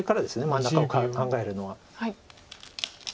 真ん中を考えるのは。